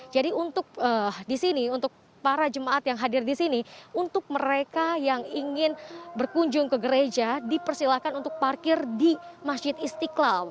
jadi untuk disini untuk para jemaat yang hadir disini untuk mereka yang ingin berkunjung ke gereja dipersilakan untuk parkir di masjid istiqlal